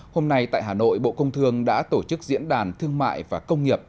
hôm nay tại hà nội bộ công thương đã tổ chức diễn đàn thương mại và công nghiệp